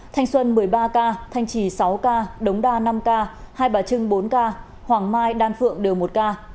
thanh xuân một mươi ba ca thanh trì sáu ca đống đa năm ca hai bà trưng bốn ca hoàng mai đan phượng đều một ca